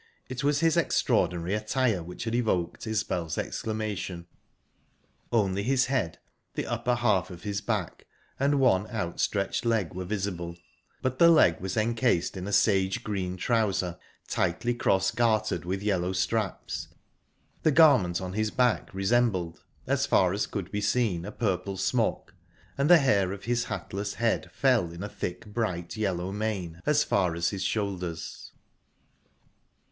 It was his extraordinary attire which had evoked Isbel's exclamation. Only his head, the upper half of his back, and one out stretched leg were visible; but the leg was encased in a sage green trouser, tightly cross gartered with yellow straps, the garment on his back resembled, as far as could be seen, a purple smock, and the hair of his hatless head fell in a thick, bright yellow mane as far as his shoulders.